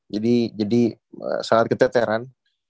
jadi jadi sangat keteteran